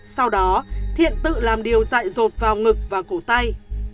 sau đó thiện tự làm điều dại rột vào ngực và cổ tay